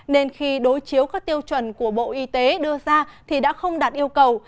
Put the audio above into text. nên khi đối chiếu các tiêu chuẩn của bộ y tế đưa ra thì đã không đạt yêu cầu